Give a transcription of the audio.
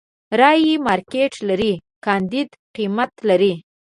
رايې مارکېټ لري، کانديد قيمت لري.